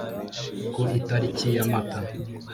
Ku itariki ya mata